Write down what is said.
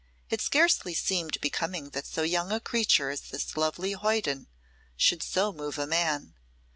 It scarcely seemed becoming that so young a creature as this lovely hoyden should so move a man.